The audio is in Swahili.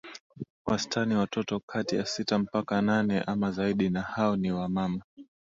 wastani watoto kati ya sita mpaka nane ama zaidi na hao ni wa mama